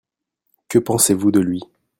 Que pensez-vous de lui ?